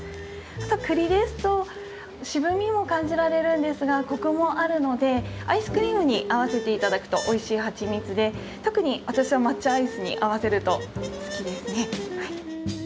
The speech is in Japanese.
あとクリですと渋みも感じられるんですがコクもあるのでアイスクリームに合わせて頂くとおいしいはちみつで特に私は抹茶アイスに合わせると好きですね。